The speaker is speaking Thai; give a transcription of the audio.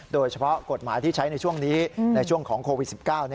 โดยเฉพาะกฎหมายที่ใช้ในช่วงนี้ในช่วงของโควิด๑๙